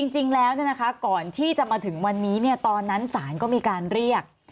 จริงแล้วก่อนที่จะมาถึงวันนี้ตอนนั้นศาลก็มีการเรียก